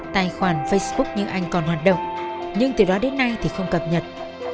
tài khoản facebook như anh còn hoạt động nhưng từ đó đến nay thì không cập nhật